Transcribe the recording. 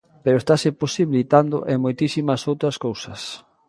Pero estase posibilitando, e moitísimas outras cousas.